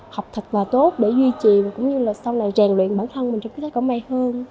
học thật và tốt để duy trì cũng như là sau này rèn luyện bản thân mình trong cái thế cỏ mây hơn